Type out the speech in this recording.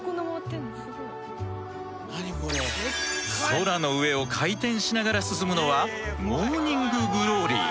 空の上を回転しながら進むのはモーニング・グローリー。